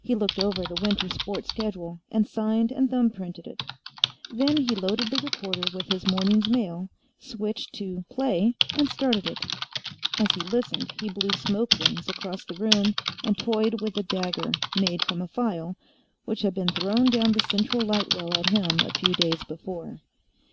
He looked over the winter sports schedule, and signed and thumbprinted it. Then he loaded the recorder with his morning's mail, switched to "Play," and started it. As he listened, he blew smoke rings across the room and toyed with a dagger, made from a file, which had been thrown down the central light well at him a few days before.